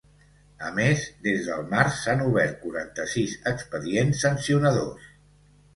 A més, des del març s’han obert quaranta-sis expedients sancionadors.